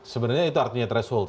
sebenarnya itu artinya threshold